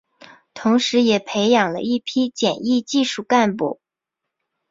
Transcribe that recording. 同时也培养了一批检疫技术干部。